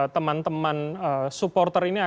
teman teman supporter ini